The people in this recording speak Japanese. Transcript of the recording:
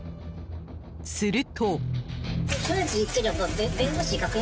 すると。